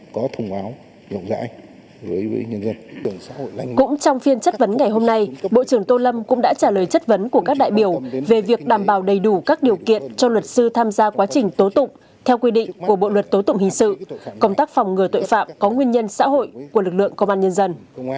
cũng trong phiên chất vấn ngày hôm nay bộ trưởng tô lâm cũng đã trả lời chất vấn của các đại biểu về việc đảm bảo đầy đủ các điều kiện cho luật sư tham gia quá trình tố tụng theo quy định của bộ luật tố tụng hình sự công tác phòng ngừa tội phạm có nguyên nhân xã hội của lực lượng công an nhân dân